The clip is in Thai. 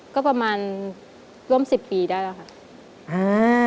ก็ประมาณร่วม๑๐ปีได้แล้วค่ะ